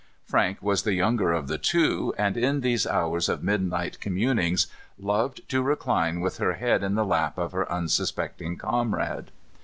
Frank was the younger of the two, and in these hours of midnight communings, loved to recline with her head in the lap of her unsuspecting comrade.